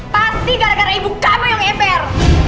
pasti gara gara ibu kamu yang ever